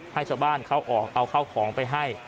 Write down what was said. ให้ชาวบ้านเข้าออกเอาเข้าของไปให้